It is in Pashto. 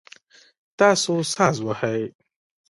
تاسو ساز وهئ؟